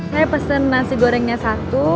saya pesen nasi gorengnya satu